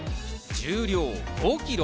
重量５ｋｇ。